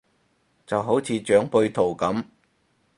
就好似長輩圖咁